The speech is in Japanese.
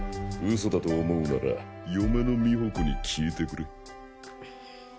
嘘だと思うなら嫁の美穂子に聞いてくれ。